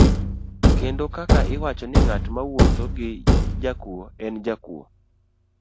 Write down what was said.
Kendo kaka iwacho ni ng'at mawuotho gi jakuo en jakuo.